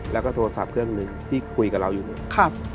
แล้วก็โทรศัพท์เครื่องหนึ่งที่คุยกับเราอยู่เนี่ย